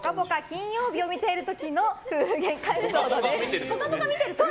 金曜日を見ている時の夫婦げんかエピソードです。